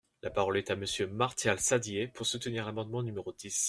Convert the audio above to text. La parole est à Monsieur Martial Saddier, pour soutenir l’amendement numéro dix.